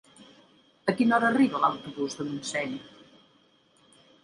A quina hora arriba l'autobús de Montseny?